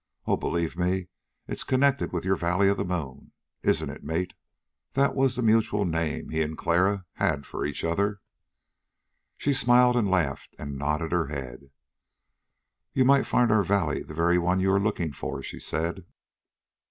Oh, believe me, it's connected with your valley of the moon. Isn't it, Mate?" This last was the mutual name he and Clara had for each other. She smiled and laughed and nodded her head. "You might find our valley the very one you are looking for," she said.